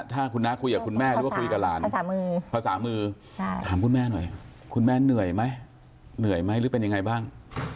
ถามคุณแม่หน่อยคุณแม่เหนื่อยไหมเหนื่อยไหมหรือเป็นยังไงบ้าง